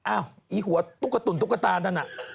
อ้าวไอ้หัวตุ่นตุกกระต่าลนั่นน่ะ